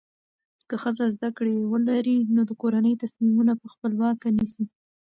که ښځه زده کړه ولري، نو د کورنۍ تصمیمونه په خپلواکه نیسي.